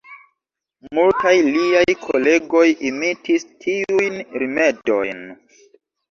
Multaj liaj kolegoj imitis tiujn rimedojn.